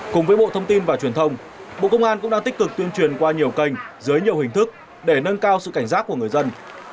cùng với bộ thông tin và truyền thông bộ công an cũng đang tích cực tuyên truyền qua nhiều kênh dưới nhiều hình thức để nâng cao sự cảnh giác của người dân